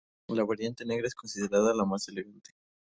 La variante negra es considerada la más elegante.